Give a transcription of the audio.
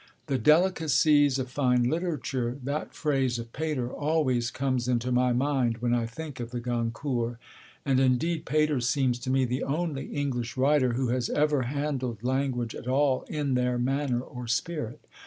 'The delicacies of fine literature,' that phrase of Pater always comes into my mind when I think of the Goncourts; and indeed Pater seems to me the only English writer who has ever handled language at all in their manner or spirit.